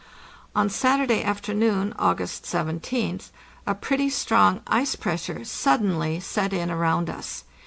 On Saturday afternoon, August 17th, a pretty strong ice pressure suddenly set in around us.